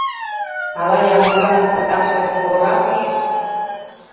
Ала Ямбикалан пыртакше порырак лиеш?